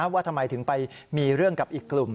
ว่าทำไมถึงไปมีเรื่องกับอีกกลุ่ม